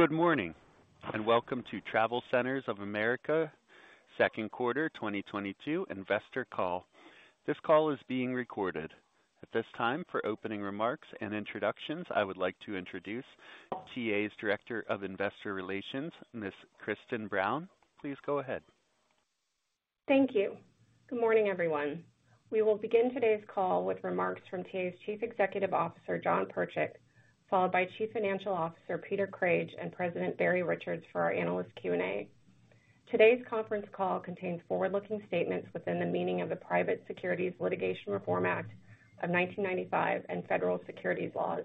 Good morning, and welcome to TravelCenters of America second quarter 2022 investor call. This call is being recorded. At this time, for opening remarks and introductions, I would like to introduce TA's Director of Investor Relations, Ms. Kristin Brown. Please go ahead. Thank you. Good morning, everyone. We will begin today's call with remarks from TA's Chief Executive Officer, Jon Pertchik, followed by Chief Financial Officer Peter Crage, and President Barry Richards for our analyst Q&A. Today's conference call contains forward-looking statements within the meaning of the Private Securities Litigation Reform Act of 1995 and federal securities laws.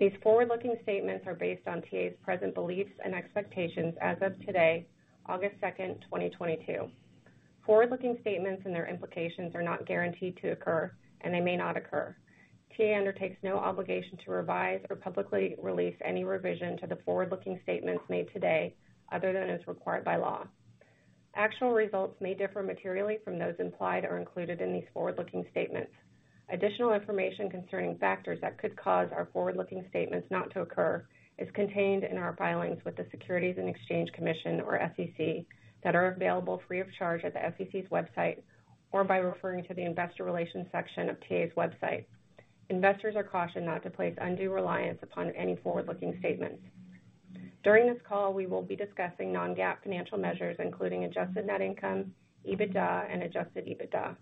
These forward-looking statements are based on TA's present beliefs and expectations as of today, August 2nd, 2022. Forward-looking statements and their implications are not guaranteed to occur, and they may not occur. TA undertakes no obligation to revise or publicly release any revision to the forward-looking statements made today other than is required by law. Actual results may differ materially from those implied or included in these forward-looking statements. Additional information concerning factors that could cause our forward-looking statements not to occur is contained in our filings with the Securities and Exchange Commission, or SEC, that are available free of charge at the SEC's website or by referring to the investor relations section of TA's website. Investors are cautioned not to place undue reliance upon any forward-looking statements. During this call, we will be discussing non-GAAP financial measures, including adjusted net income, EBITDA and adjusted EBITDA.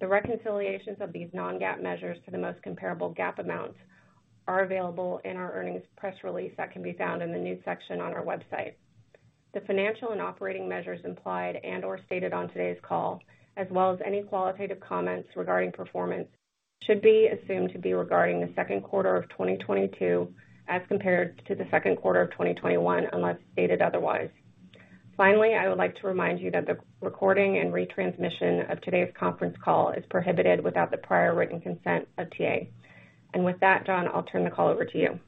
The reconciliations of these non-GAAP measures to the most comparable GAAP amounts are available in our earnings press release that can be found in the news section on our website. The financial and operating measures implied and/or stated on today's call, as well as any qualitative comments regarding performance, should be assumed to be regarding the second quarter of 2022 as compared to the second quarter of 2021, unless stated otherwise. Finally, I would like to remind you that the recording and retransmission of today's conference call is prohibited without the prior written consent of TA. With that, Jon, I'll turn the call over to you.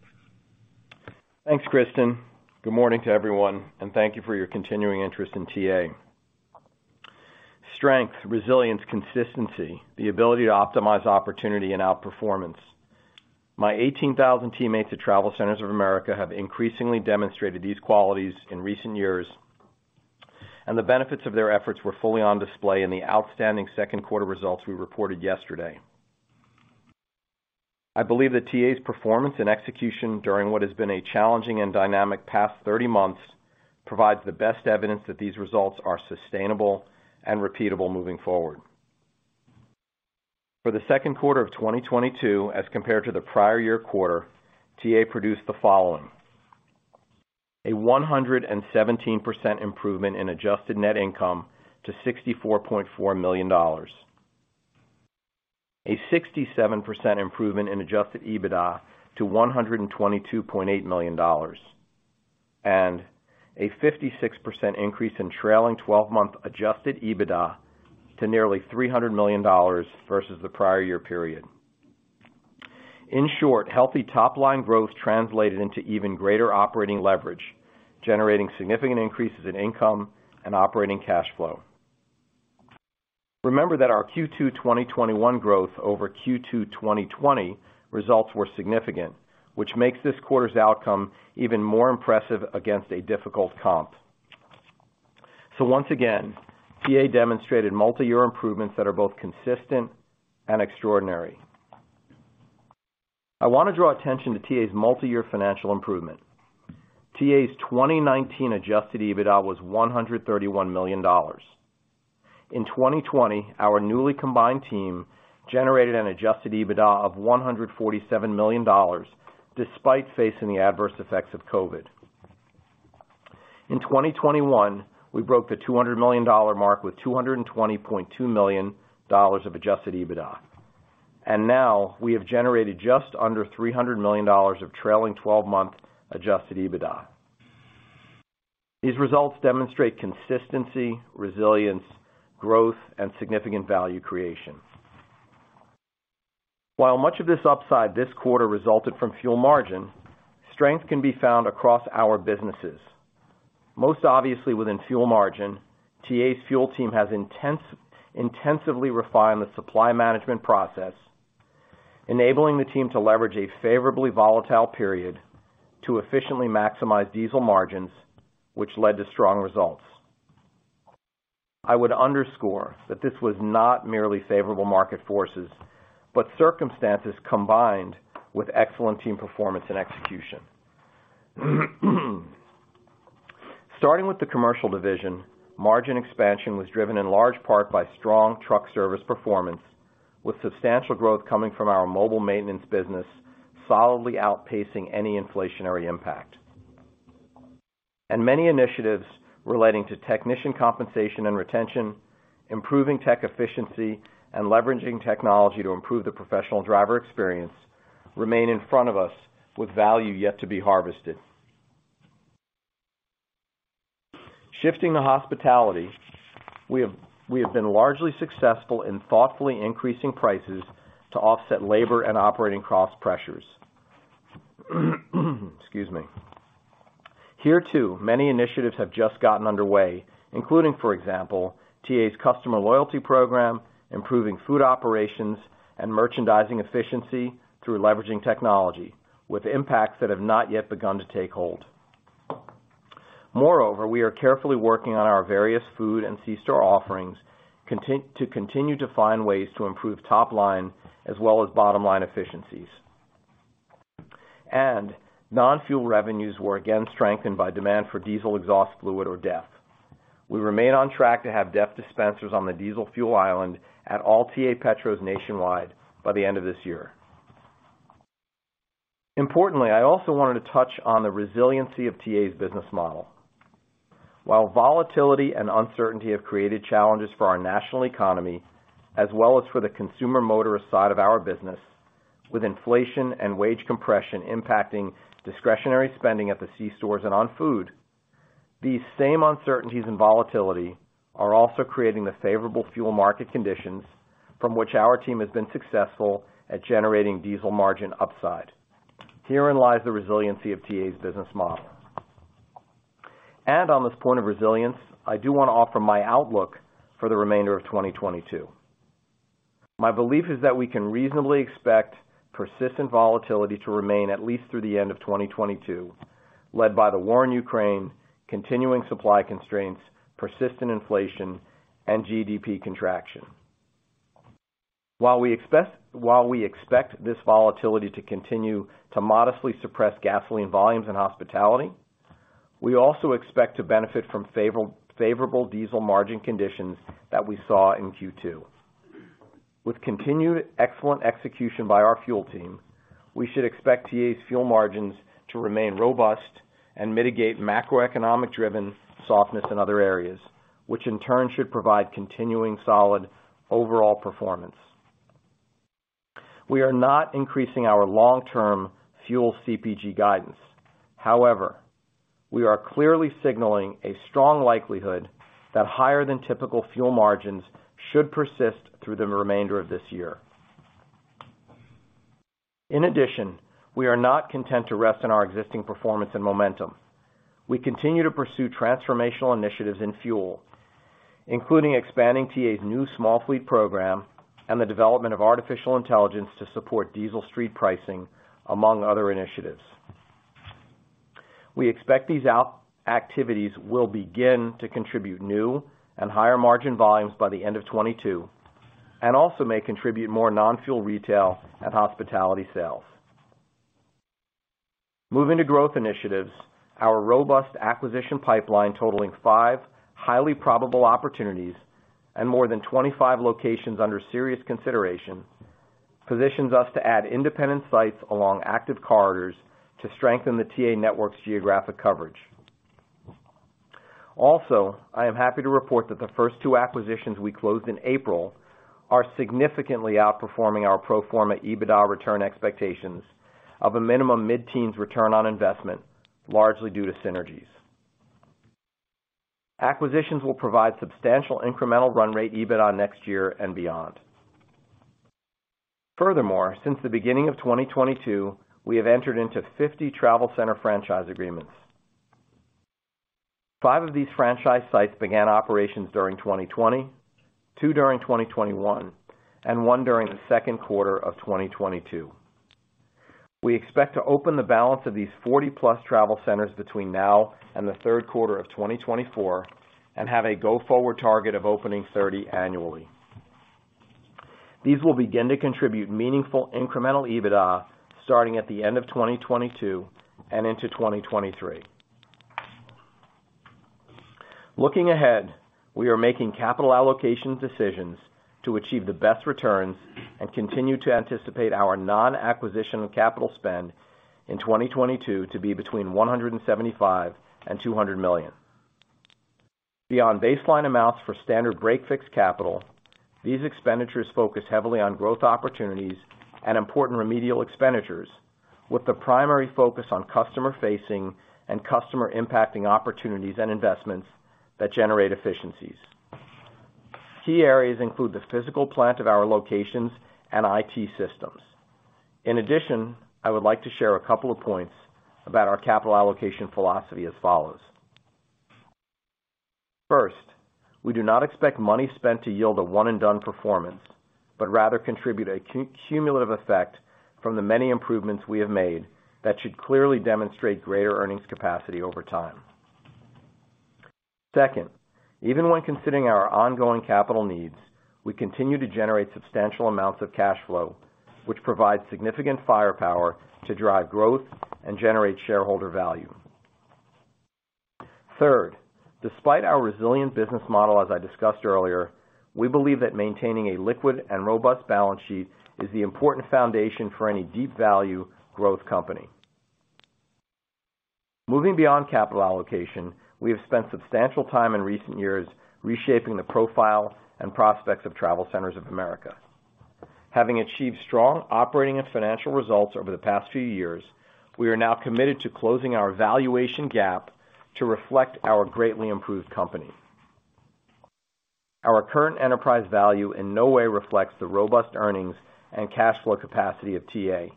Thanks, Kristin. Good morning to everyone, and thank you for your continuing interest in TA. Strength, resilience, consistency, the ability to optimize opportunity and outperformance. My 18,000 teammates at TravelCenters of America have increasingly demonstrated these qualities in recent years, and the benefits of their efforts were fully on display in the outstanding second quarter results we reported yesterday. I believe that TA's performance and execution during what has been a challenging and dynamic past 30 months provides the best evidence that these results are sustainable and repeatable moving forward. For the second quarter of 2022, as compared to the prior year quarter, TA produced the following, a 117% improvement in adjusted net income to $64.4 million, a 67% improvement in adjusted EBITDA to $122.8 million, and a 56% increase in trailing 12-month adjusted EBITDA to nearly $300 million versus the prior year period. In short, healthy top-line growth translated into even greater operating leverage, generating significant increases in income and operating cash flow. Remember that our Q2 2021 growth over Q2 2020 results were significant, which makes this quarter's outcome even more impressive against a difficult comp. Once again, TA demonstrated multiyear improvements that are both consistent and extraordinary. I want to draw attention to TA's multiyear financial improvement. TA's 2019 adjusted EBITDA was $131 million. In 2020, our newly combined team generated an adjusted EBITDA of $147 million despite facing the adverse effects of COVID. In 2021, we broke the $200 million dollar mark with $220.2 million of adjusted EBITDA. Now we have generated just under $300 million of trailing 12-month adjusted EBITDA. These results demonstrate consistency, resilience, growth, and significant value creation. While much of this upside this quarter resulted from fuel margin, strength can be found across our businesses. Most obviously, within fuel margin, TA's fuel team has intensively refined the supply management process, enabling the team to leverage a favorably volatile period to efficiently maximize diesel margins, which led to strong results. I would underscore that this was not merely favorable market forces, but circumstances combined with excellent team performance and execution. Starting with the commercial division, margin expansion was driven in large part by strong truck service performance, with substantial growth coming from our mobile maintenance business solidly outpacing any inflationary impact. Many initiatives relating to technician compensation and retention, improving tech efficiency, and leveraging technology to improve the professional driver experience remain in front of us with value yet to be harvested. Shifting to hospitality, we have been largely successful in thoughtfully increasing prices to offset labor and operating cost pressures. Excuse me. Here, too, many initiatives have just gotten underway, including, for example, TA's customer loyalty program, improving food operations, and merchandising efficiency through leveraging technology with impacts that have not yet begun to take hold. Moreover, we are carefully working on our various food and C-store offerings to continue to find ways to improve top line as well as bottom line efficiencies. Non-fuel revenues were again strengthened by demand for diesel exhaust fluid or DEF. We remain on track to have DEF dispensers on the diesel fuel island at all TA Petros nationwide by the end of this year. Importantly, I also wanted to touch on the resiliency of TA's business model. While volatility and uncertainty have created challenges for our national economy, as well as for the consumer motorist side of our business, with inflation and wage compression impacting discretionary spending at the C stores and on food, these same uncertainties and volatility are also creating the favorable fuel market conditions from which our team has been successful at generating diesel margin upside. Herein lies the resiliency of TA's business model. On this point of resilience, I do want to offer my outlook for the remainder of 2022. My belief is that we can reasonably expect persistent volatility to remain at least through the end of 2022, led by the war in Ukraine, continuing supply constraints, persistent inflation, and GDP contraction. While we expect this volatility to continue to modestly suppress gasoline volumes in hospitality, we also expect to benefit from favorable diesel margin conditions that we saw in Q2. With continued excellent execution by our fuel team, we should expect TA's fuel margins to remain robust and mitigate macroeconomic-driven softness in other areas, which in turn should provide continuing solid overall performance. We are not increasing our long-term fuel CPG guidance. However, we are clearly signaling a strong likelihood that higher than typical fuel margins should persist through the remainder of this year. In addition, we are not content to rest on our existing performance and momentum. We continue to pursue transformational initiatives in fuel, including expanding TA's new small fleet program and the development of artificial intelligence to support diesel street pricing, among other initiatives. We expect these activities will begin to contribute new and higher margin volumes by the end of 2022, and also may contribute more non-fuel retail and hospitality sales. Moving to growth initiatives, our robust acquisition pipeline totaling five highly probable opportunities and more than 25 locations under serious consideration, positions us to add independent sites along active corridors to strengthen the TA network's geographic coverage. Also, I am happy to report that the first two acquisitions we closed in April are significantly outperforming our pro forma EBITDA return expectations of a minimum mid-teens return on investment, largely due to synergies. Acquisitions will provide substantial incremental run rate EBITDA next year and beyond. Furthermore, since the beginning of 2022, we have entered into 50 travel center franchise agreements. Five of these franchise sites began operations during 2022, two during 2021, and one during the second quarter of 2022. We expect to open the balance of these 40+ travel centers between now and the third quarter of 2024 and have a go-forward target of opening 30 annually. These will begin to contribute meaningful incremental EBITDA starting at the end of 2022 and into 2023. Looking ahead, we are making capital allocation decisions to achieve the best returns and continue to anticipate our non-acquisition capital spend in 2022 to be between $175 million and $200 million. Beyond baseline amounts for standard break fix capital, these expenditures focus heavily on growth opportunities and important remedial expenditures, with the primary focus on customer-facing and customer-impacting opportunities and investments that generate efficiencies. Key areas include the physical plant of our locations and IT systems. In addition, I would like to share a couple of points about our capital allocation philosophy as follows. First, we do not expect money spent to yield a one-and-done performance, but rather contribute a cumulative effect from the many improvements we have made that should clearly demonstrate greater earnings capacity over time. Second, even when considering our ongoing capital needs, we continue to generate substantial amounts of cash flow, which provides significant firepower to drive growth and generate shareholder value. Third, despite our resilient business model, as I discussed earlier, we believe that maintaining a liquid and robust balance sheet is the important foundation for any deep value growth company. Moving beyond capital allocation, we have spent substantial time in recent years reshaping the profile and prospects of TravelCenters of America. Having achieved strong operating and financial results over the past few years, we are now committed to closing our valuation gap to reflect our greatly improved company. Our current enterprise value in no way reflects the robust earnings and cash flow capacity of TA.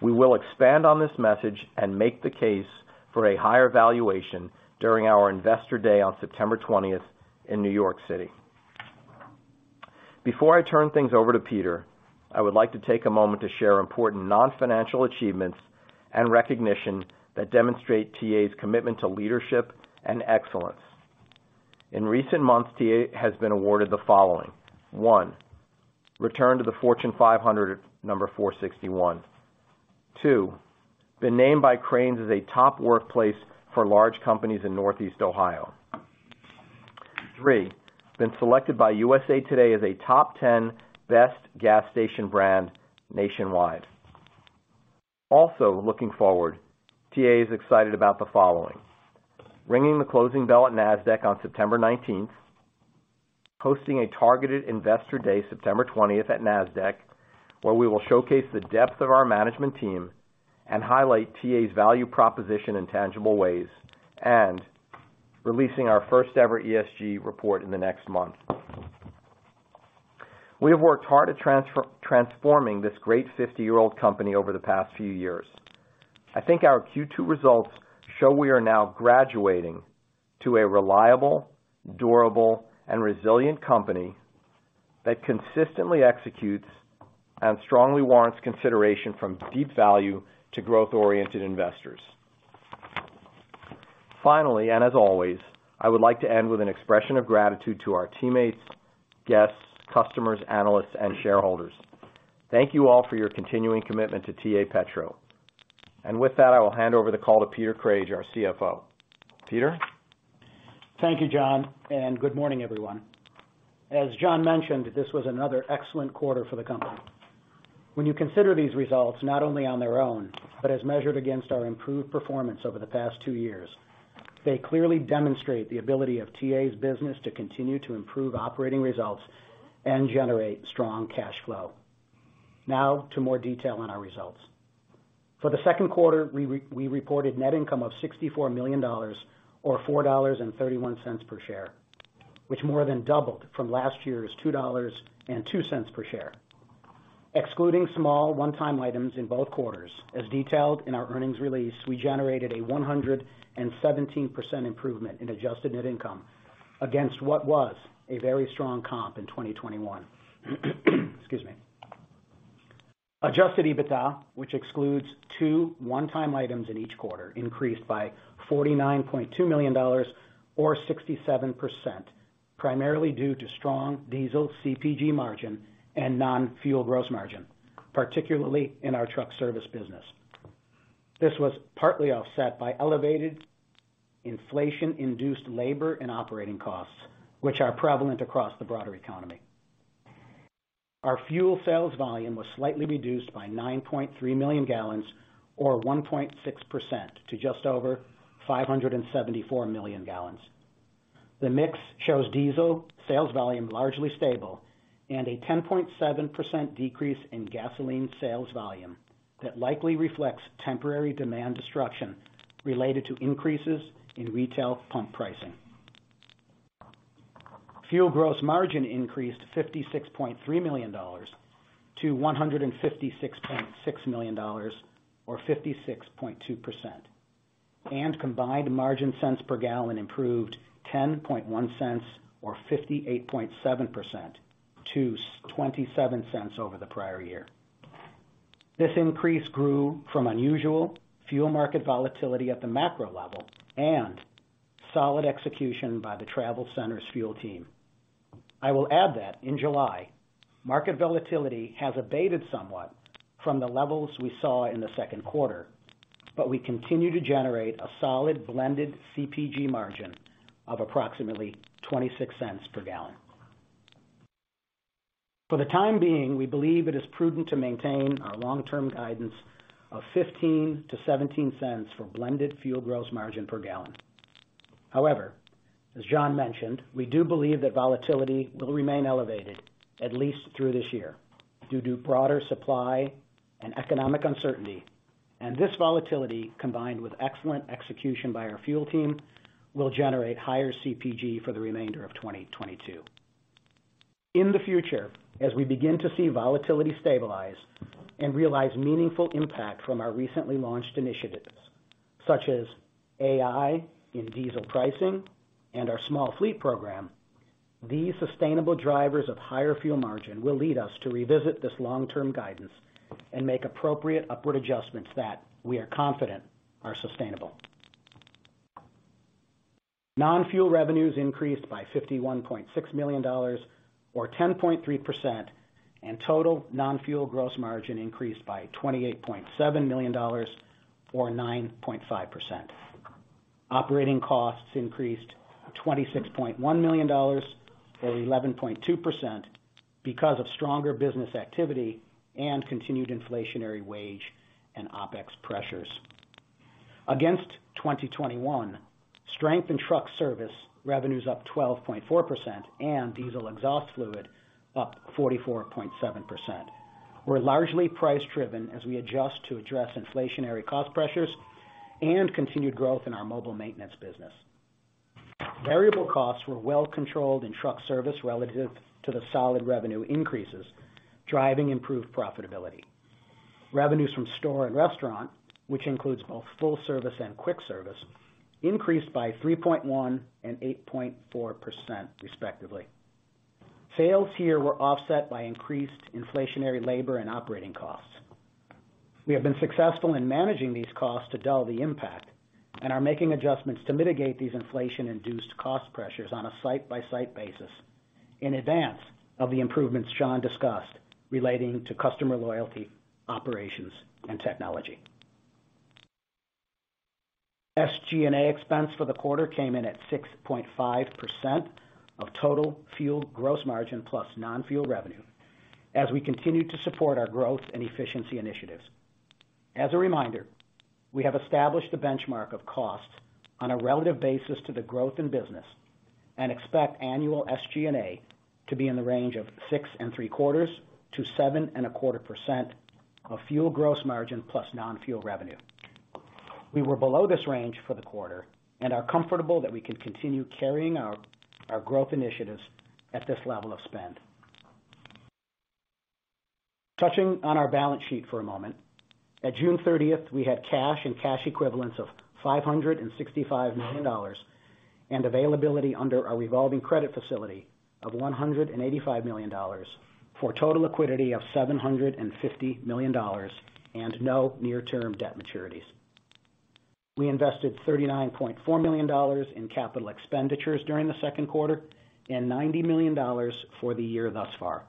We will expand on this message and make the case for a higher valuation during our Investor Day on September twentieth in New York City. Before I turn things over to Peter, I would like to take a moment to share important non-financial achievements and recognition that demonstrate TA's commitment to leadership and excellence. In recent months, TA has been awarded the following. One, return to the Fortune 500 at number 461. Two, been named by Crain's as a top workplace for large companies in Northeast Ohio. Three, been selected by USA Today as a top 10 best gas station brand nationwide. Also looking forward, TA is excited about the following. Ringing the closing bell at Nasdaq on September 19th. Hosting a targeted investor day September 20th, at Nasdaq, where we will showcase the depth of our management team and highlight TA's value proposition in tangible ways. Releasing our first ever ESG report in the next month. We have worked hard at transforming this great 50-year-old company over the past few years. I think our Q2 results show we are now graduating to a reliable, durable, and resilient company that consistently executes and strongly warrants consideration from deep value to growth-oriented investors. Finally, and as always, I would like to end with an expression of gratitude to our teammates, guests, customers, analysts, and shareholders. Thank you all for your continuing commitment to TA Petro. With that, I will hand over the call to Peter Crage, our CFO. Peter? Thank you, Jon, and good morning, everyone. As Jon mentioned, this was another excellent quarter for the company. When you consider these results not only on their own, but as measured against our improved performance over the past two years, they clearly demonstrate the ability of TA's business to continue to improve operating results and generate strong cash flow. Now to more detail on our results. For the second quarter, we reported net income of $64 million or $4.31 per share, which more than doubled from last year's $2.02 per share. Excluding small one-time items in both quarters, as detailed in our earnings release, we generated a 117% improvement in adjusted net income against what was a very strong comp in 2021. Excuse me. Adjusted EBITDA, which excludes two one-time items in each quarter, increased by $49.2 million or 67%, primarily due to strong diesel CPG margin and non-fuel gross margin, particularly in our truck service business. This was partly offset by elevated inflation-induced labor and operating costs, which are prevalent across the broader economy. Our fuel sales volume was slightly reduced by 9.3 million gallons or 1.6% to just over 574 million gallons. The mix shows diesel sales volume largely stable and a 10.7% decrease in gasoline sales volume that likely reflects temporary demand destruction related to increases in retail pump pricing. Fuel gross margin increased $56.3 million to $156.6 million or 56.2%. Combined margin cents per gallon improved $0.101 or 58.7% to $0.27 over the prior year. This increase grew from unusual fuel market volatility at the macro level and solid execution by the TravelCenters' fuel team. I will add that in July, market volatility has abated somewhat from the levels we saw in the second quarter, but we continue to generate a solid blended CPG margin of approximately $0.26 per gallon. For the time being, we believe it is prudent to maintain our long-term guidance of $0.15-$0.17 for blended fuel gross margin per gallon. However, as Jon mentioned, we do believe that volatility will remain elevated at least through this year due to broader supply and economic uncertainty. This volatility, combined with excellent execution by our fuel team, will generate higher CPG for the remainder of 2022. In the future, as we begin to see volatility stabilize and realize meaningful impact from our recently launched initiatives, such as AI in diesel pricing and our small fleet program, these sustainable drivers of higher fuel margin will lead us to revisit this long-term guidance and make appropriate upward adjustments that we are confident are sustainable. Non-fuel revenues increased by $51.6 million or 10.3%, and total non-fuel gross margin increased by $28.7 million or 9.5%. Operating costs increased $26.1 million or 11.2% because of stronger business activity and continued inflationary wage and OpEx pressures. Against 2021 strength in truck service revenues up 12.4% and diesel exhaust fluid up 44.7% were largely price driven as we adjust to address inflationary cost pressures and continued growth in our mobile maintenance business. Variable costs were well controlled in truck service relative to the solid revenue increases, driving improved profitability. Revenues from store and restaurant, which includes both full service and quick service, increased by 3.1% and 8.4% respectively. Sales here were offset by increased inflationary labor and operating costs. We have been successful in managing these costs to dull the impact and are making adjustments to mitigate these inflation-induced cost pressures on a site-by-site basis in advance of the improvements Jon discussed relating to customer loyalty, operations, and technology. SG&A expense for the quarter came in at 6.5% of total fuel gross margin plus non-fuel revenue as we continue to support our growth and efficiency initiatives. As a reminder, we have established a benchmark of costs on a relative basis to the growth in business and expect annual SG&A to be in the range of 6.75%-7.25% of fuel gross margin plus non-fuel revenue. We were below this range for the quarter and are comfortable that we can continue carrying our growth initiatives at this level of spend. Touching on our balance sheet for a moment. As of June 30th, we had cash and cash equivalents of $565 million and availability under our revolving credit facility of $185 million, for total liquidity of $750 million and no near-term debt maturities. We invested $39.4 million in capital expenditures during the second quarter and $90 million for the year thus far.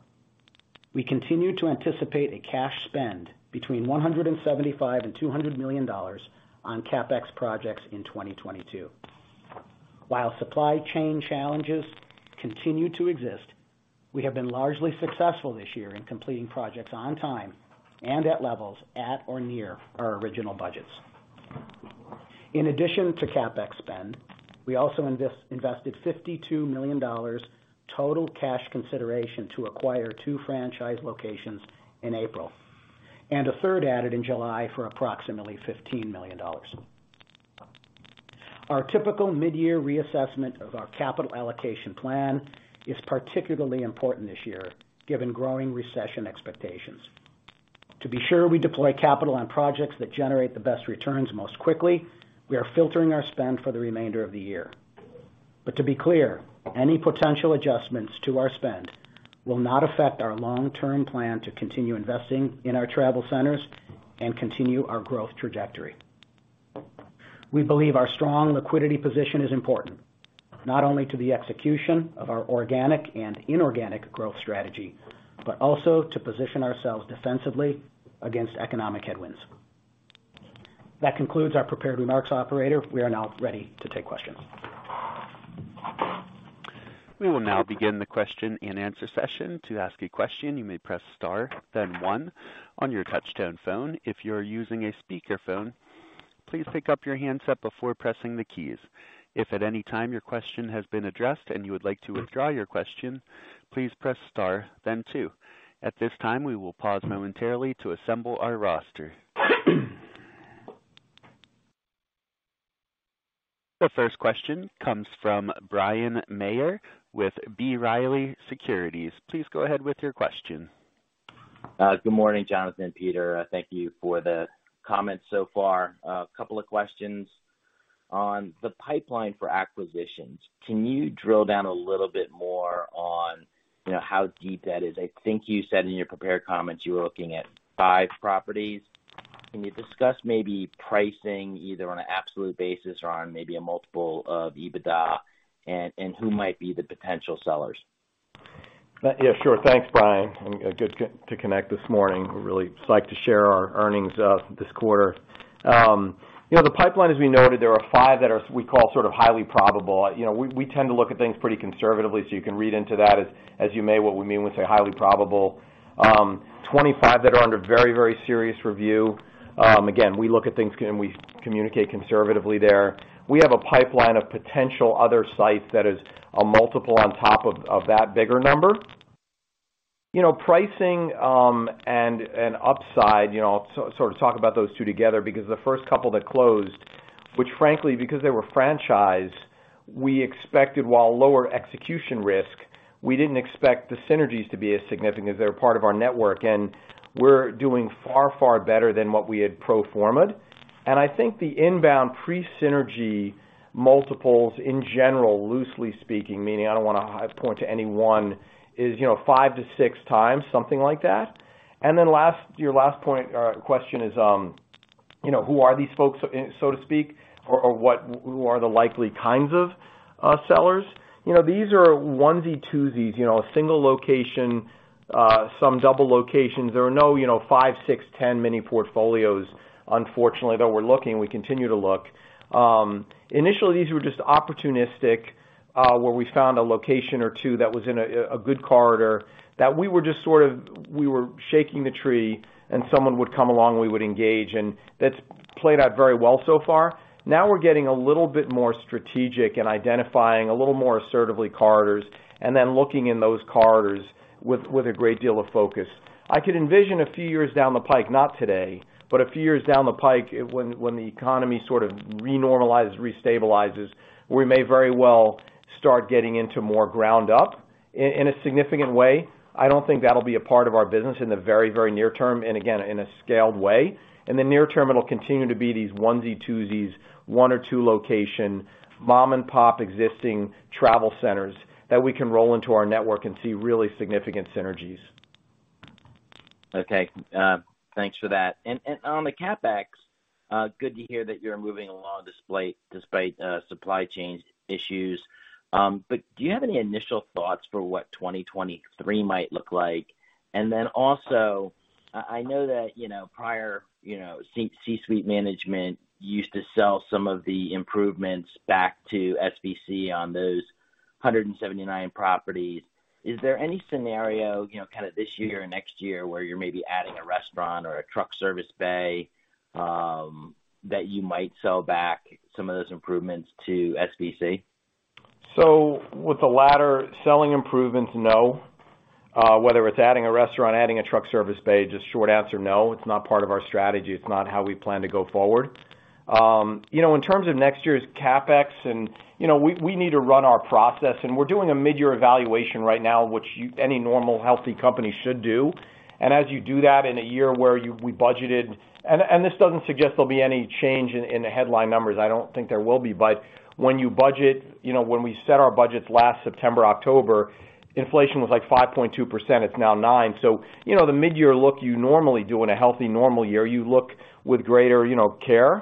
We continue to anticipate a cash spend between $175 million and $200 million on CapEx projects in 2022. While supply chain challenges continue to exist, we have been largely successful this year in completing projects on time and at levels at or near our original budgets. In addition to CapEx spend, we also invested $52 million total cash consideration to acquire two franchise locations in April, and a third added in July for approximately $15 million. Our typical mid-year reassessment of our capital allocation plan is particularly important this year, given growing recession expectations. To be sure we deploy capital on projects that generate the best returns most quickly, we are filtering our spend for the remainder of the year. To be clear, any potential adjustments to our spend will not affect our long-term plan to continue investing in our travel centers and continue our growth trajectory. We believe our strong liquidity position is important not only to the execution of our organic and inorganic growth strategy, but also to position ourselves defensively against economic headwinds. That concludes our prepared remarks, operator. We are now ready to take questions. We will now begin the question and answer session. To ask a question, you may press star, then one on your touchtone phone. If you are using a speakerphone, please pick up your handset before pressing the keys. If at any time your question has been addressed and you would like to withdraw your question, please press star then two. At this time, we will pause momentarily to assemble our roster. The first question comes from Bryan Maher with B. Riley Securities. Please go ahead with your question. Good morning, Jonathan, Peter. Thank you for the comments so far. A couple of questions. On the pipeline for acquisitions, can you drill down a little bit more on, you know, how deep that is? I think you said in your prepared comments you were looking at five properties. Can you discuss maybe pricing either on an absolute basis or on maybe a multiple of EBITDA and who might be the potential sellers? Yeah, sure. Thanks, Bryan. Good to connect this morning. We're really psyched to share our earnings this quarter. You know, the pipeline, as we noted, there are five that are we call sort of highly probable. You know, we tend to look at things pretty conservatively, so you can read into that as you may what we mean when we say highly probable. 25 that are under very, very serious review. Again, we look at things and we communicate conservatively there. We have a pipeline of potential other sites that is a multiple on top of that bigger number. You know, pricing and upside, you know, sort of talk about those two together, because the first couple that closed, which frankly, because they were franchised, we expected while lower execution risk, we didn't expect the synergies to be as significant as they were part of our network. We're doing far better than what we had pro forma'd. I think the inbound pre-synergy multiples in general, loosely speaking, meaning I don't want to point to any one, is you know, 5x-6x, something like that. Then your last point or question is, you know, who are these folks, so to speak, or what, who are the likely kinds of sellers. You know, these are onesie-twosies, you know, a single location, some double locations. There are no, you know, five, six, 10 mini portfolios unfortunately, though we're looking, we continue to look. Initially these were just opportunistic, where we found a location or two that was in a good corridor that we were shaking the tree and someone would come along and we would engage, and that's played out very well so far. Now we're getting a little bit more strategic in identifying a little more assertively corridors and then looking in those corridors with a great deal of focus. I could envision a few years down the pike, not today, but a few years down the pike when the economy sort of re-normalizes, re-stabilizes, we may very well start getting into more ground up in a significant way. I don't think that'll be a part of our business in the very, very near term and again, in a scaled way. In the near term, it'll continue to be these onesie-twosies, one or two location, mom-and-pop existing travel centers that we can roll into our network and see really significant synergies. Okay. Thanks for that. On the CapEx, good to hear that you're moving along despite supply chain issues. Do you have any initial thoughts for what 2023 might look like? Also, I know that, you know, prior, you know, C-suite management used to sell some of the improvements back to SVC on those 179 properties. Is there any scenario, you know, kind of this year or next year where you're maybe adding a restaurant or a truck service bay, that you might sell back some of those improvements to SVC? With the latter selling improvements, no. Whether it's adding a restaurant, adding a truck service bay, just short answer, no, it's not part of our strategy. It's not how we plan to go forward. You know, in terms of next year's CapEx and, you know, we need to run our process, and we're doing a mid-year evaluation right now, which any normal, healthy company should do. As you do that in a year where we budgeted. This doesn't suggest there'll be any change in the headline numbers. I don't think there will be. When you budget, you know, when we set our budgets last September, October, inflation was like 5.2%, it's now 9%. The mid-year look you normally do in a healthy normal year, you look with greater, you know, care.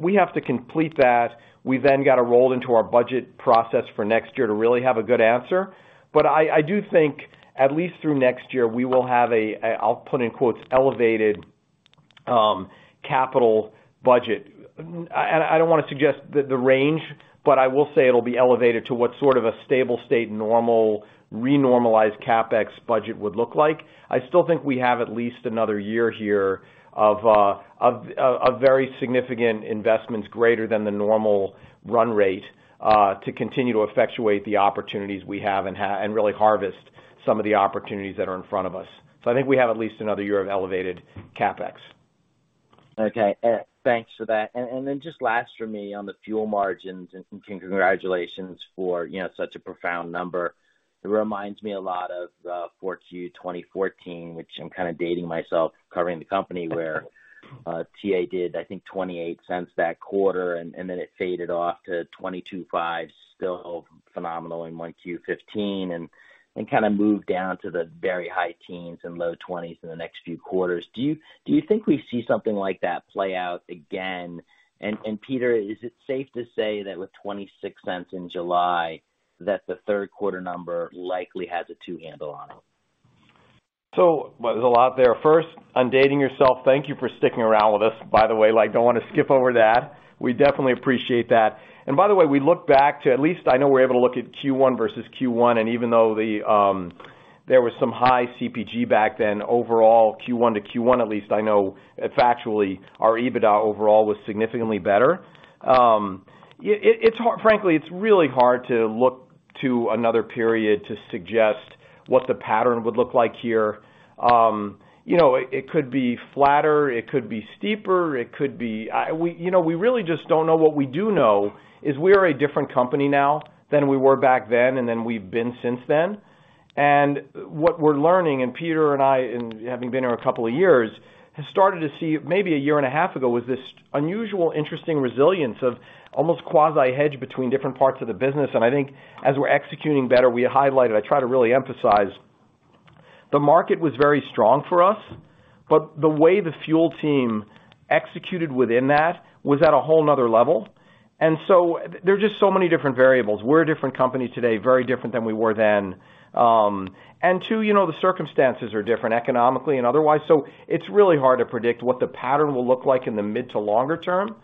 We have to complete that. We then gotta roll into our budget process for next year to really have a good answer. I do think at least through next year, we will have a, I'll put in quotes, elevated, capital budget. I don't want to suggest the range, but I will say it'll be elevated to what sort of a stable state normal, renormalized CapEx budget would look like. I still think we have at least another year here of a very significant investments greater than the normal run rate, to continue to effectuate the opportunities we have and really harvest some of the opportunities that are in front of us. I think we have at least another year of elevated CapEx. Okay. Thanks for that. Then just last for me on the fuel margins, and congratulations for, you know, such a profound number. It reminds me a lot of 4Q 2014, which I'm kind of dating myself covering the company where TA did, I think, $0.28 that quarter, and then it faded off to $0.225, still phenomenal in 1Q 2015, and kind of moved down to the very high teens and low twenties in the next few quarters. Do you think we see something like that play out again? Peter, is it safe to say that with $0.26 in July, that the third quarter number likely has a two handle on it? There's a lot there. First, on dating yourself, thank you for sticking around with us, by the way. Like, don't want to skip over that. We definitely appreciate that. By the way, we look back to at least I know we're able to look at Q1 versus Q1. Even though there was some high CPG back then, overall Q1 to Q1, at least I know factually, our EBITDA overall was significantly better. Frankly, it's really hard to look to another period to suggest what the pattern would look like here. You know, it could be flatter, it could be steeper, it could be we, you know, we really just don't know. What we do know is we are a different company now than we were back then, and than we've been since then. What we're learning, and Peter and I, and having been here a couple of years, have started to see maybe a year and a half ago, was this unusual, interesting resilience of almost quasi hedge between different parts of the business. I think as we're executing better, we highlighted, I try to really emphasize, the market was very strong for us, but the way the fuel team executed within that was at a whole another level. There are just so many different variables. We're a different company today, very different than we were then, too, you know, the circumstances are different economically and otherwise. It's really hard to predict what the pattern will look like in the mid to longer-term.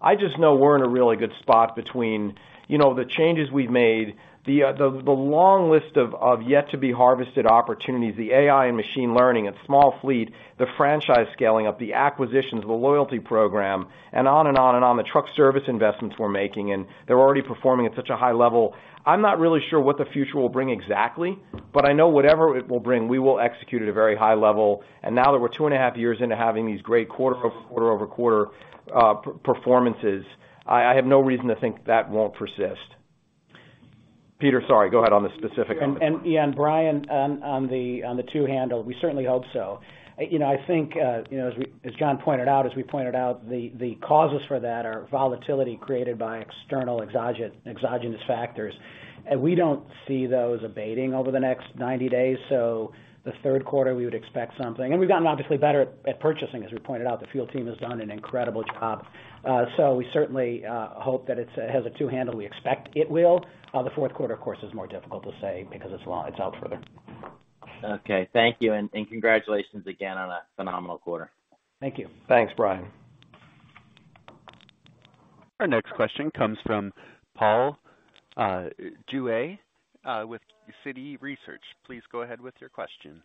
I just know we're in a really good spot between, you know, the changes we've made, the long list of yet to be harvested opportunities, the AI and machine learning at Small Fleet, the franchise scaling up, the acquisitions, the loyalty program, and on and on and on. The truck service investments we're making, and they're already performing at such a high level. I'm not really sure what the future will bring exactly, but I know whatever it will bring, we will execute at a very high level. Now that we're 2.5 years into having these great quarter-over-quarter performances, I have no reason to think that won't persist. Peter, sorry, go ahead on the specific. Yeah. Bryan, on the two handle, we certainly hope so. You know, I think, you know, as John pointed out, as we pointed out, the causes for that are volatility created by external exogenous factors. We don't see those abating over the next 90 days. The third quarter, we would expect something. We've gotten obviously better at purchasing. As we pointed out, the fuel team has done an incredible job. We certainly hope that has a two handle. We expect it will. The fourth quarter, of course, is more difficult to say because it's out further. Okay. Thank you, and congratulations again on a phenomenal quarter. Thank you. Thanks, Bryan. Our next question comes from Paul Lejuez with Citi Research. Please go ahead with your question.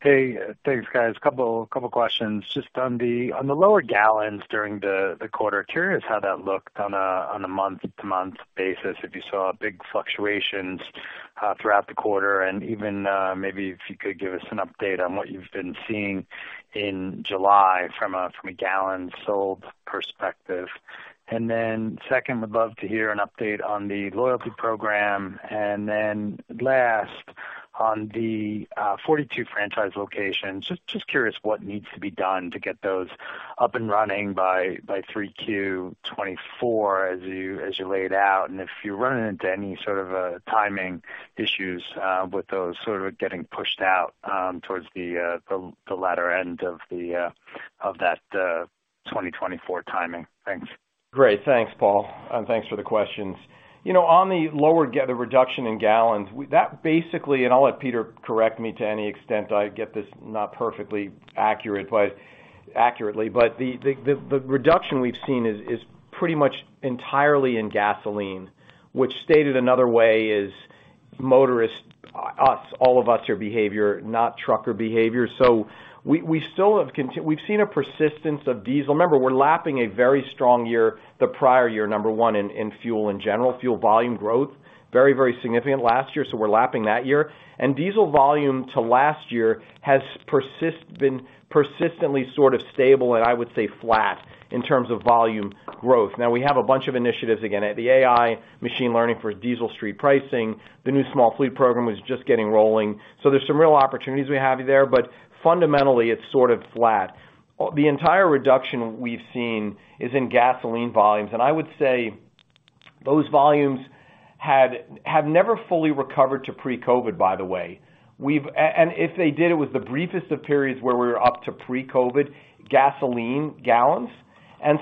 Hey, thanks, guys. Couple questions. Just on the lower gallons during the quarter, curious how that looked on a month-to-month basis, if you saw big fluctuations throughout the quarter. Even maybe if you could give us an update on what you've been seeing in July from a gallon sold perspective. Then second, would love to hear an update on the loyalty program. Then last, on the 42 franchise locations, just curious what needs to be done to get those up and running by 3Q 2024 as you laid out. If you run into any sort of timing issues with those sort of getting pushed out towards the latter end of that 2024 timing. Thanks. Great. Thanks, Paul, and thanks for the questions. You know, on the reduction in gallons, that basically, and I'll let Peter correct me to any extent I get this not perfectly accurate, but accurately, but the reduction we've seen is pretty much entirely in gasoline, which stated another way is motorists, us, all of us are behavior, not trucker behavior. So we've seen a persistence of diesel. Remember, we're lapping a very strong year, the prior year, number one, in fuel in general. Fuel volume growth, very significant last year, so we're lapping that year. Diesel volume to last year has been persistently sort of stable, and I would say flat in terms of volume growth. Now we have a bunch of initiatives, again, the AI machine learning for diesel street pricing. The new small fleet program was just getting rolling. There's some real opportunities we have there, but fundamentally, it's sort of flat. The entire reduction we've seen is in gasoline volumes, and I would say those volumes have never fully recovered to pre-COVID, by the way. If they did, it was the briefest of periods where we were up to pre-COVID gasoline gallons.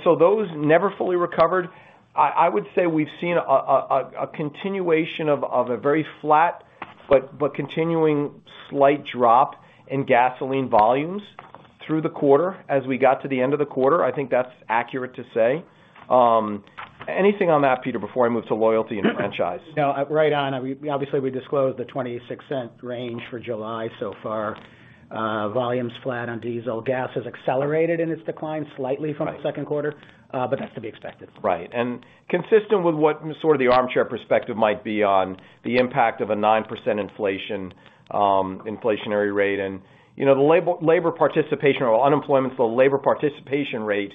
Those never fully recovered. I would say we've seen a continuation of a very flat but continuing slight drop in gasoline volumes through the quarter as we got to the end of the quarter. I think that's accurate to say. Anything on that, Peter, before I move to loyalty and franchise? No, right on. Obviously, we disclosed the $0.26 range for July so far. Volume's flat on diesel. Gas has accelerated in its decline slightly from the second quarter, but that's to be expected. Right. Consistent with what sort of the armchair perspective might be on the impact of a 9% inflationary rate and, you know, the labor participation or unemployment, the labor participation rate,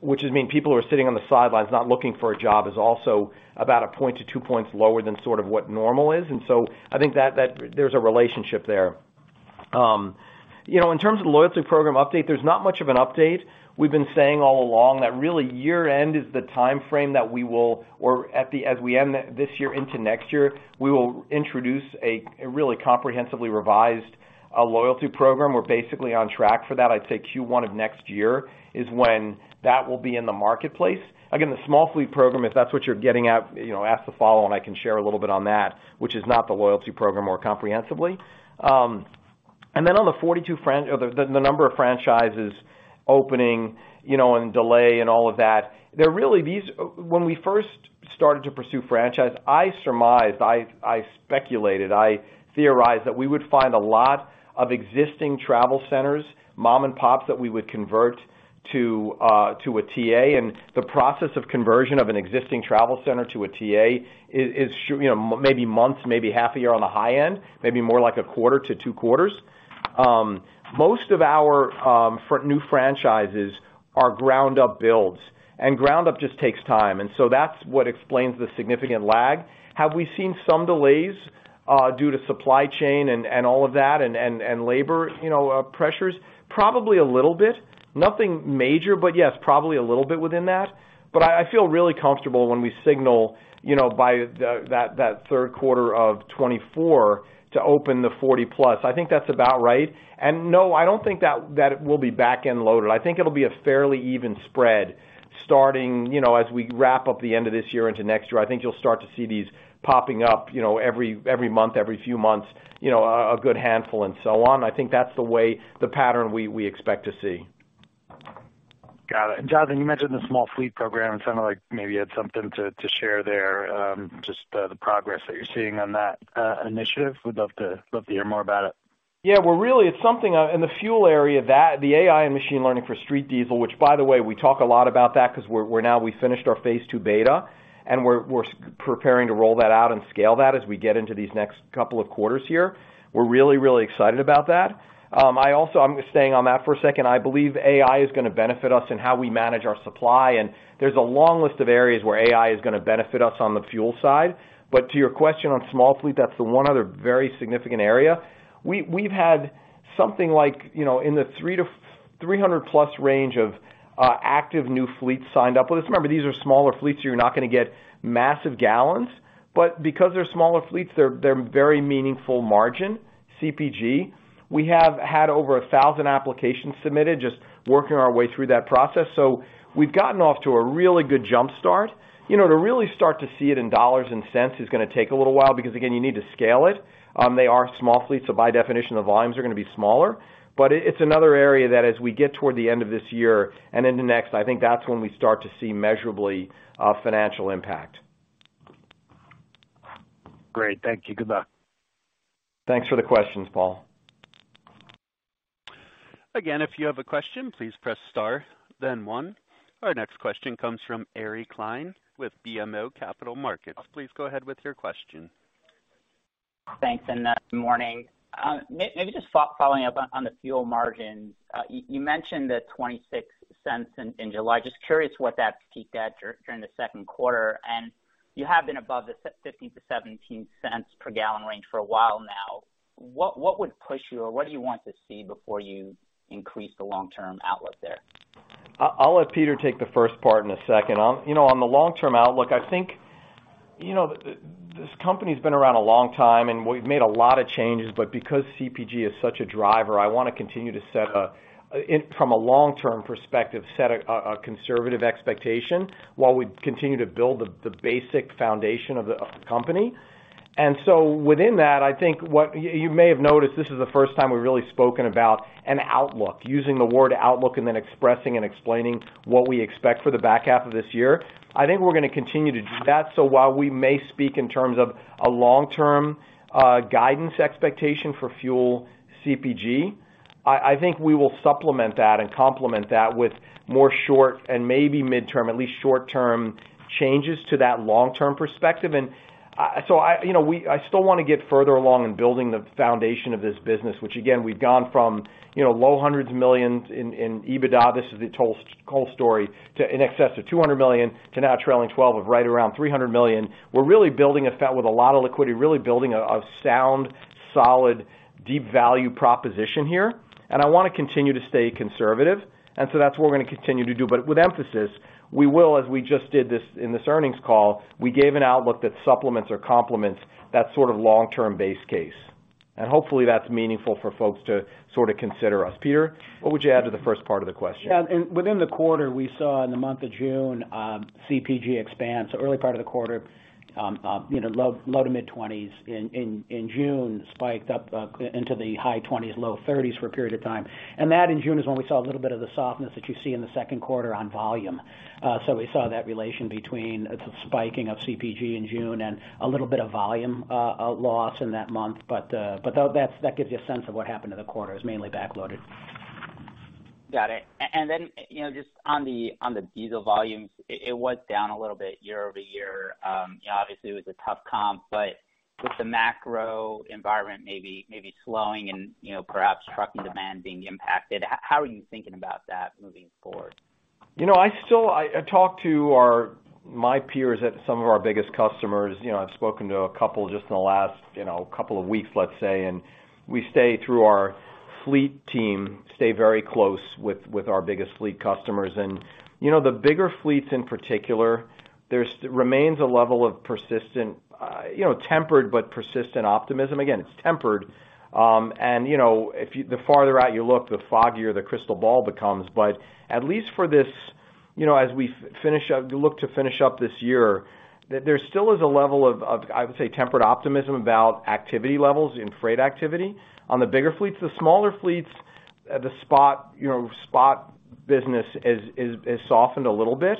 which has been people who are sitting on the sidelines not looking for a job, is also about a point to two points lower than sort of what normal is. I think that there's a relationship there. You know, in terms of loyalty program update, there's not much of an update. We've been saying all along that really year-end is the timeframe as we end this year into next year, we will introduce a really comprehensively revised loyalty program. We're basically on track for that. I'd say Q1 of next year is when that will be in the marketplace. Again, the small fleet program, if that's what you're getting at, you know, ask on the follow-up, I can share a little bit on that, which is not the loyalty program more comprehensively. Then on the 42 franchises opening, you know, and delay and all of that. When we first started to pursue franchising, I surmised, I speculated, I theorized that we would find a lot of existing travel centers, mom-and-pops, that we would convert to a TA. The process of conversion of an existing travel center to a TA is, you know, maybe months, maybe half a year on the high end, maybe more like a quarter to two quarters. Most of our new franchises are ground up builds, and ground up just takes time, and so that's what explains the significant lag. Have we seen some delays due to supply chain and all of that and labor, you know, pressures? Probably a little bit. Nothing major, but yes, probably a little bit within that. I feel really comfortable when we signal, you know, by that third quarter of 2024 to open the 40+. I think that's about right. No, I don't think that will be back-end loaded. I think it'll be a fairly even spread starting, you know, as we wrap up the end of this year into next year. I think you'll start to see these popping up, you know, every month, every few months, you know, a good handful and so on. I think that's the way the pattern we expect to see. Got it. Jonathan, you mentioned the small fleet program and sounded like maybe you had something to share there, just the progress that you're seeing on that initiative. We'd love to hear more about it. Yeah. Well, really it's something in the fuel area that the AI and machine learning for straight diesel, which by the way, we talk a lot about that because we're now finished our phase II beta, and we're preparing to roll that out and scale that as we get into these next couple of quarters here. We're really, really excited about that. I'm staying on that for a second. I believe AI is going to benefit us in how we manage our supply, and there's a long list of areas where AI is going to benefit us on the fuel side. But to your question on small fleet, that's the one other very significant area. We've had something like, you know, in the 300+ range of active new fleets signed up with us. Remember, these are smaller fleets, so you're not going to get massive gallons. But because they're smaller fleets, they're very meaningful margin CPG. We have had over 1,000 applications submitted just working our way through that process. We've gotten off to a really good jump start. You know, to really start to see it in dollars and cents is going to take a little while because, again, you need to scale it. They are small fleets, so by definition, the volumes are going to be smaller. It's another area that as we get toward the end of this year and into next, I think that's when we start to see measurably financial impact. Great. Thank you. Good luck. Thanks for the questions, Paul. Again, if you have a question, please press star then one. Our next question comes from Ari Klein with BMO Capital Markets. Please go ahead with your question. Thanks, morning. Maybe just following up on the fuel margins. You mentioned the $0.26 in July. Just curious what that peaked at during the second quarter. You have been above the $0.15-$0.17 per gallon range for a while now. What would push you, or what do you want to see before you increase the long-term outlook there? I'll let Peter take the first part in a second. You know, on the long-term outlook, I think you know, this company's been around a long time, and we've made a lot of changes, but because CPG is such a driver, I want to continue to set a conservative expectation from a long-term perspective while we continue to build the basic foundation of the company. Within that, I think what you may have noticed, this is the first time we've really spoken about an outlook, using the word outlook and then expressing and explaining what we expect for the back half of this year. I think we're going to continue to do that. While we may speak in terms of a long-term guidance expectation for fuel CPG, I think we will supplement that and complement that with more short and maybe midterm, at least short-term changes to that long-term perspective. I still want to get further along in building the foundation of this business, which again, we've gone from, you know, low hundreds of millions in EBITDA, this is the whole story, to in excess of $200 million to now trailing twelve of right around $300 million. We're really building a moat with a lot of liquidity, really building a sound, solid, deep value proposition here. I want to continue to stay conservative, and so that's what we're going to continue to do. With emphasis, we will, as we just did this in this earnings call, we gave an outlook that supplements or complements that sort of long-term base case. Hopefully that's meaningful for folks to sort of consider us. Peter Crage, what would you add to the first part of the question? Yeah. Within the quarter, we saw in the month of June, CPG expansion, early part of the quarter, you know, low- to mid-20s in June spiked up into the high 20s, low 30s for a period of time. That in June is when we saw a little bit of the softness that you see in the second quarter on volume. We saw that relation between the spiking of CPG in June and a little bit of volume loss in that month. That gives you a sense of what happened to the quarter, is mainly backloaded. Got it. You know, just on the diesel volumes, it was down a little bit year-over-year. You know, obviously, it was a tough comp, but with the macro environment maybe slowing and, you know, perhaps trucking demand being impacted, how are you thinking about that moving forward? You know, I still talk to our my peers at some of our biggest customers. You know, I've spoken to a couple just in the last, you know, couple of weeks, let's say, and we stay through our fleet team very close with our biggest fleet customers. You know, the bigger fleets in particular, there's remains a level of persistent, you know, tempered but persistent optimism. Again, it's tempered. You know, the farther out you look, the foggier the crystal ball becomes. At least for this, you know, as we finish up, look to finish up this year, there still is a level of I would say tempered optimism about activity levels in freight activity on the bigger fleets. The smaller fleets, the spot, you know, spot business is softened a little bit,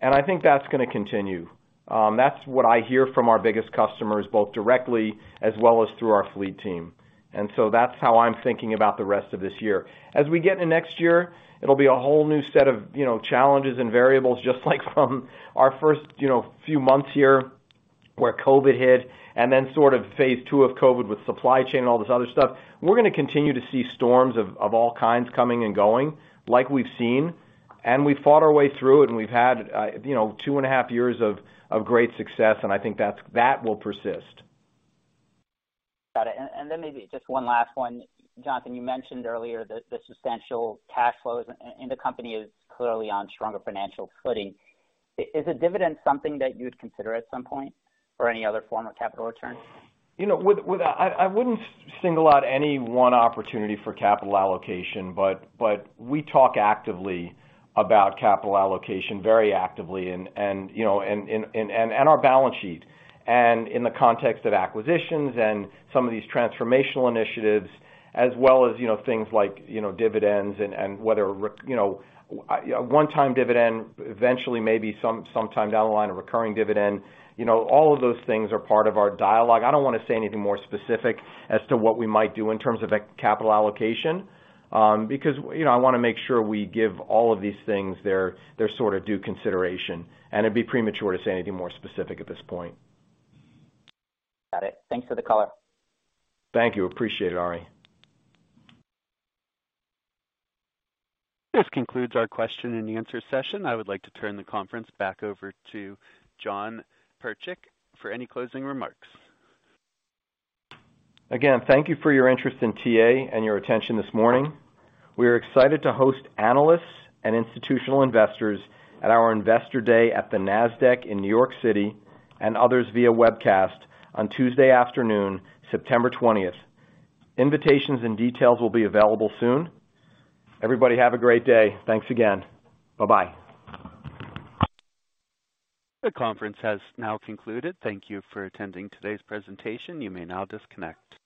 and I think that's going to continue. That's what I hear from our biggest customers, both directly as well as through our fleet team. That's how I'm thinking about the rest of this year. As we get to next year, it'll be a whole new set of, you know, challenges and variables, just like from our first, you know, few months here, where COVID hit, and then sort of phase two of COVID with supply chain and all this other stuff. We're going to continue to see storms of all kinds coming and going, like we've seen, and we fought our way through it, and we've had, you know, two and a half years of great success, and I think that will persist. Got it. Maybe just one last one. Jonathan, you mentioned earlier the substantial cash flows, and the company is clearly on stronger financial footing. Is a dividend something that you would consider at some point or any other form of capital return? You know, with that, I wouldn't single out any one opportunity for capital allocation, but we talk actively about capital allocation very actively and you know and our balance sheet, and in the context of acquisitions and some of these transformational initiatives, as well as you know things like you know dividends and whether you know a one-time dividend, eventually maybe sometime down the line, a recurring dividend. You know, all of those things are part of our dialogue. I don't want to say anything more specific as to what we might do in terms of a capital allocation, because you know, I want to make sure we give all of these things their sort of due consideration, and it'd be premature to say anything more specific at this point. Got it. Thanks for the color. Thank you. Appreciate it, Ari. This concludes our question-and-answer session. I would like to turn the conference back over to Jon Pertchik for any closing remarks. Again, thank you for your interest in TA and your attention this morning. We are excited to host analysts and institutional investors at our Investor Day at the Nasdaq in New York City and others via webcast on Tuesday afternoon, September 20th. Invitations and details will be available soon. Everybody, have a great day. Thanks again. Bye-bye. The conference has now concluded. Thank you for attending today's presentation. You may now disconnect.